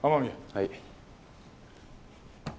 はい。